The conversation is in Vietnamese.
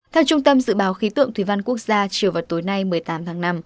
theo trung tâm dự báo khí tượng thủy văn quốc gia chiều vào tối nay một mươi tám tháng năm